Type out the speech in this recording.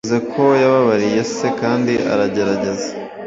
Yavuze ko yababariye se, kandi aragerageza.